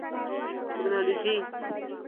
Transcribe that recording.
ټکنالوژي